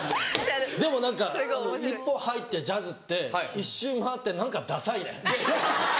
でも何か１歩入ってジャズって１周回って何かダサいね。